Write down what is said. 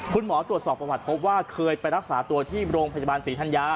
คุณหมอตรวจสอบประวัติพบว่าเคยไปรักษาตัวที่โรงพยาบาลศรีธัญญา